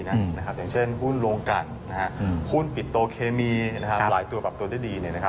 อย่างเช่นหุ้นโรงกันหุ้นปิดโตเคมีหลายตัวปรับตัวได้ดี